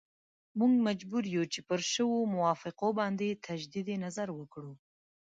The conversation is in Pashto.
موږ مجبور یو چې پر شویو موافقو باندې تجدید نظر وکړو.